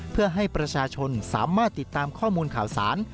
เพื่อให้ประชาชนสามารถติดตามข้อมูลข่าวสาร